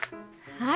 はい。